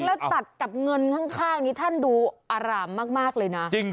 แล้วตัดกับเงินข้างนี้ท่านดูอารามมากเลยนะ